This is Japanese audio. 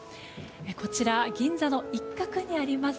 こちら銀座の一角にあります